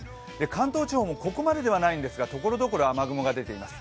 関東地方もここまでではないんですが、ところどころ、雨雲が出ています。